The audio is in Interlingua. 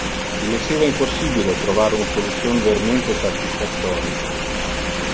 Il esseva impossibile trovar un solution vermente satisfactori.